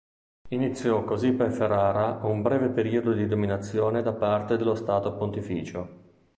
Iniziò così per Ferrara un breve periodo di dominazione da parte dello Stato Pontificio.